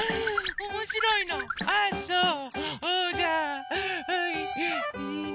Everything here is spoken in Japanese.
おもしろい？